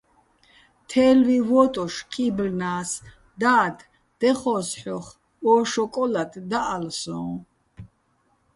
თე́ლვი ვო́ტუშ ჴი́ბლნა́ს: "და́დ, დეხო́ს ჰ̦ოხ, ო შოკოლად დაჸალ სო́ჼ".